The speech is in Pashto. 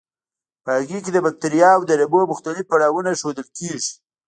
په هغې کې د بکټریاوو د نمو مختلف پړاوونه ښودل کیږي.